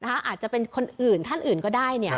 อาจจะเป็นคนอื่นท่านอื่นก็ได้